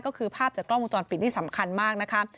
ก็คือภาพจากกล้องวงจรปิดที่สำคัญมากนะคะ